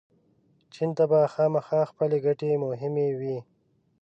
چین ته به خامخا خپلې ګټې مهمې وي.